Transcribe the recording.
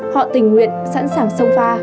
họ tình nguyện sẵn sàng sâu pha